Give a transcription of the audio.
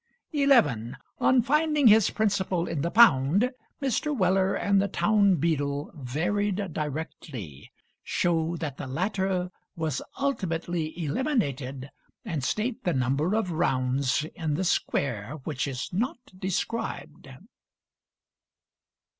11. On finding his principal in the Pound, Mr. Weller and the town beadle varied directly. Show that the latter was ultimately eliminated, and state the number of rounds in the square which is not described.